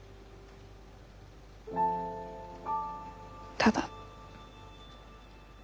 ただ。